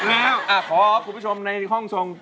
แล้วขอคุณผู้ชมในห้องทรง